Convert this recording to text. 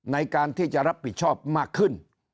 ในการที่จะรับผิดชอบมากขึ้น